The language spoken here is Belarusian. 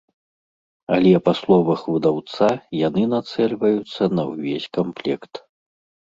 Але па словах выдаўца, яны нацэльваюцца на ўвесь камплект.